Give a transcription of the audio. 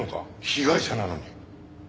被害者なのに。